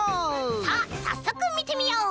さあさっそくみてみよう！